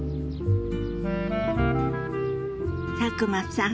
佐久間さん